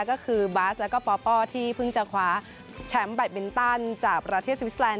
ก็คือบาสและก็ป๊อปป้อที่เพิ่งจะคว้าแชมป์แบตเบนตันจากประเทศสวิสเซอลันด์